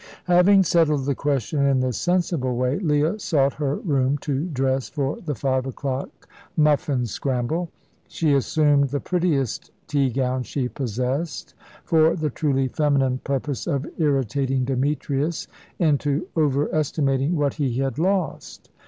Having settled the question in this sensible way, Leah sought her room to dress for the five o'clock muffin scramble. She assumed the prettiest tea gown she possessed, for the truly feminine purpose of irritating Demetrius into over estimating what he had lost.